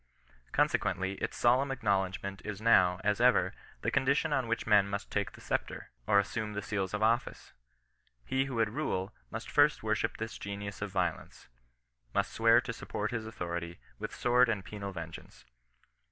Conse quently its solemn acknowledgment is now, as ever, the condition on which men must take the sceptre, or assume the seals of office. He who would rule, must first wor ship this genius of violence — must swear to support his authority with sword and penal vengeance.